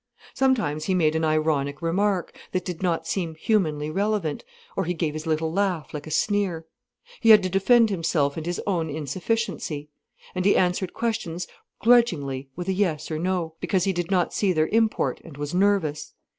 Sometimes he made an ironic remark, that did not seem humanly relevant, or he gave his little laugh, like a sneer. He had to defend himself and his own insufficiency. And he answered questions grudgingly, with a yes or no, because he did not see their import and was nervous.